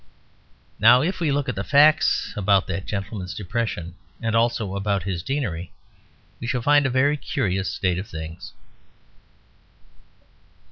Now if we look at the facts about that gentleman's depression and also about his Deanery, we shall find a very curious state of things.